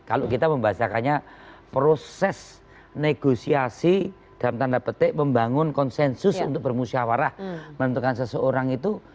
kalau kita membahasakannya proses negosiasi dalam tanda petik membangun konsensus untuk bermusyawarah menentukan seseorang itu